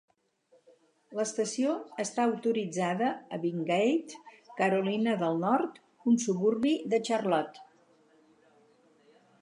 L'estació està autoritzada a Wingate, Carolina del Nord, un suburbi de Charlotte.